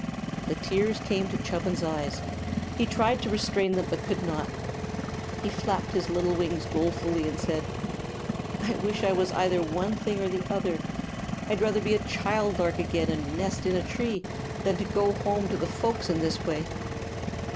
The tears came to Chubbins' eyes. He tried to restrain them, but could not. He flapped his little wings dolefully and said: "I wish I was either one thing or the other! I'd rather be a child lark again, and nest in a tree, than to go home to the folks in this way."